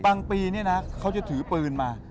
บางปีนี้นะพวกเค้าจะถือปืนมา